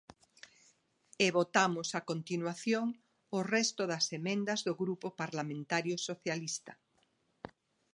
E votamos a continuación o resto das emendas do Grupo Parlamentario Socialista.